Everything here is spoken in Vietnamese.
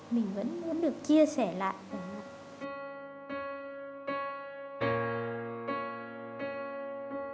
mình vẫn muốn được chia sẻ lại với họ